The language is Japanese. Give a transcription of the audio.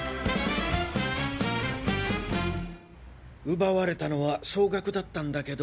奪われたのは少額だったんだけど。